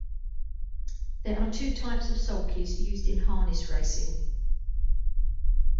There are two types of sulkies used in harness racing.